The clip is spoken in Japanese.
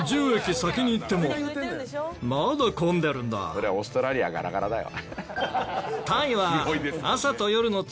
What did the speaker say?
そりゃオーストラリアガラガラだよ。